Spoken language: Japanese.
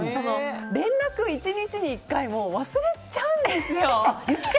連絡を１日に１回も忘れちゃうんですよ。